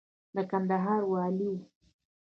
د کندهار والي و.